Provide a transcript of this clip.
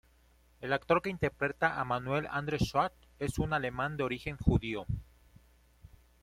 El actor que interpreta a Manuel, Andrew Sachs, es un alemán de origen judío.